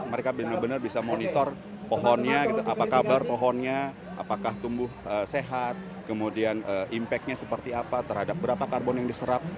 mereka benar benar bisa monitor pohonnya apa kabar pohonnya apakah tumbuh sehat kemudian impact nya seperti apa terhadap berapa karbon yang diserap